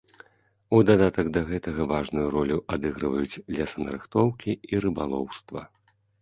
У дадатак да гэтага важную ролю адыгрываюць лесанарыхтоўкі і рыбалоўства.